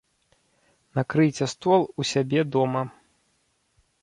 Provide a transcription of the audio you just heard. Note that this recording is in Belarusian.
Накрыйце стол у сябе дома.